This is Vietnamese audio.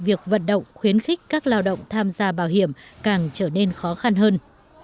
việc vận động khuyến khích các lao động tham gia bảo hiểm càng trở nên khó khăn hơn